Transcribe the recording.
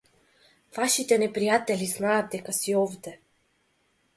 Вашите непријатели знаат дека си овде.